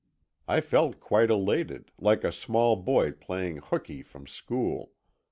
I felt quite elated, like a small boy playing "hookey" from school.